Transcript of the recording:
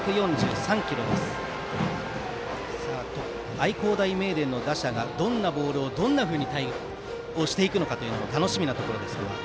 愛工大名電の打者がどんなボールをどんなふうに対応していくのか楽しみなところです。